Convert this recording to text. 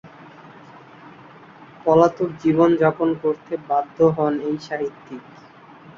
পলাতক জীবন যাপন করতে বাধ্য হন এই সাহিত্যিক।